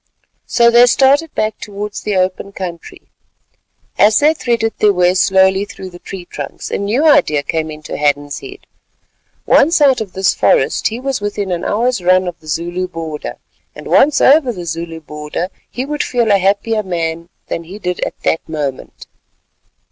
So they started back towards the open country. As they threaded their way slowly through the tree trunks, a new idea came into Hadden's head. Once out of this forest, he was within an hour's run of the Zulu border, and once over the Zulu border, he would feel a happier man than he did at that moment.